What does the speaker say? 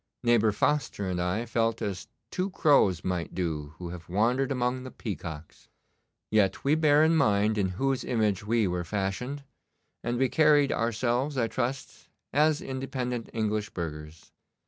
Neighbour Foster and I felt as two crows might do who have wandered among the peacocks. Yet we bare in mind in whose image we were fashioned, and we carried ourselves, I trust, as independent English burghers.